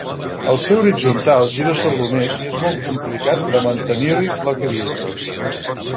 Al ser horitzontal gira sobre un eix i és molt complicat de mantenir-hi l'equilibri.